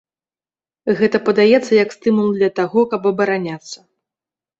Гэта падаецца як стымул для таго, каб абараняцца.